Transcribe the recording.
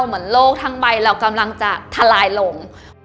เหมือนโลกทั้งใบเรากำลังจะทลายลง